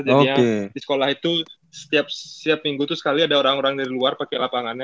jadi yang di sekolah itu setiap minggu itu sekali ada orang orang dari luar pake lapangannya